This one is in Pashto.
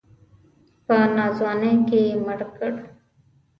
په ناځواني کې یې مړ کړ.